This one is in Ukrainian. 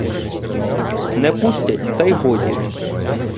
Не пустять та й годі!